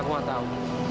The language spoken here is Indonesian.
aku gak tahu